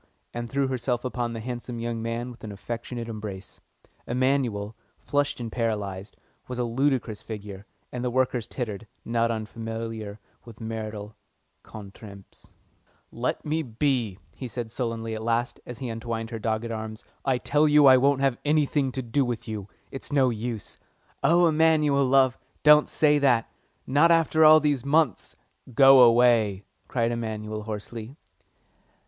and threw herself upon the handsome young man with an affectionate embrace. Emanuel, flushed and paralysed, was a ludicrous figure, and the workers tittered, not unfamiliar with marital contretemps. "Let me be," he said sullenly at last, as he untwined her dogged arms. "I tell you I won't have anything to do with you. It's no use." "Oh no, Emanuel, love, don't say that; not after all these months?" "Go away!" cried Emanuel hoarsely.